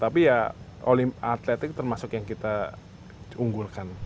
tapi ya atletik termasuk yang kita unggulkan